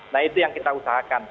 nah itu yang kita usahakan